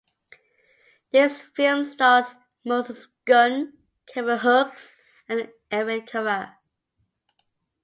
This film stars Moses Gunn, Kevin Hooks and Irene Cara.